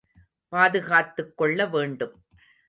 பாதுகாத்துக் கொள்ள வேண்டும்.